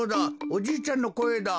おじいちゃんのこえだ。